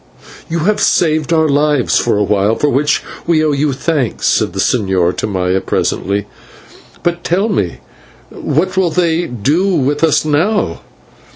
"You have saved our lives for a while, for which we owe you thanks," said the señor to Maya presently, "but tell me, what will they do with us now?"